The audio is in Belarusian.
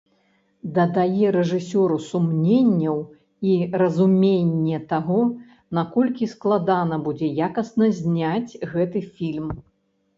Дадае рэжысёру сумненняў і разуменне таго, наколькі складана будзе якасна зняць гэты фільм.